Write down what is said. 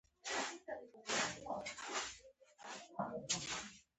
څو تکرار، تکرار شعرونه